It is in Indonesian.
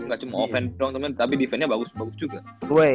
gak cuma open doang tapi defendnya bagus juga